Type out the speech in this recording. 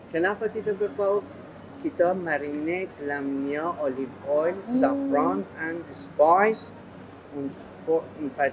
kenapa kita berbau kita marinate dalamnya olive oil saffron dan minyak zaitun untuk empat jam